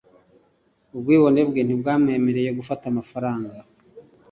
ubwibone bwe ntibwamwemereye gufata amafaranga